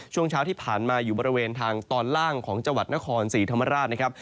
ช่วงเช้าที่ผ่านมาอยู่บริเวณทางตอนล่างของจังหวัดนครศรีธรรมราชนะครับ